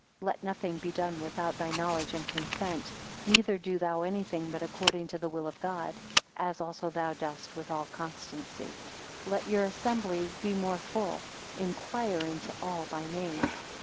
2 Let nothing be done without thy knowledge and consent; neither do thou anything but according to the will of God; as also thou dost, with all constancy. 3 Let your assemblies be more full: inquire into all by name.